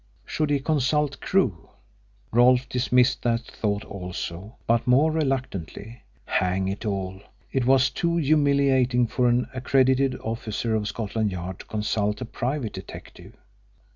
Should he consult Crewe? Rolfe dismissed that thought also, but more reluctantly. Hang it all, it was too humiliating for an accredited officer of Scotland Yard to consult a private detective!